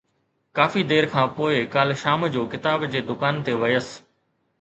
ڪافي دير کان پوءِ ڪالهه شام جو ڪتاب جي دڪان تي ويس